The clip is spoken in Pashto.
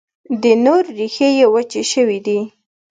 د نور، ریښې یې وچي شوي دي